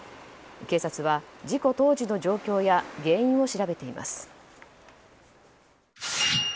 警察は事故当時の状況や原因を調べています。